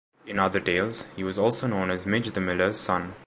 In other tales, he was also known as Midge the Miller's son.